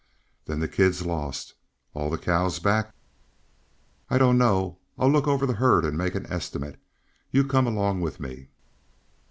"Then the kid's lost. All the cows back?" "I don't know. I'll look over the herd and make an estimate. You come along with me."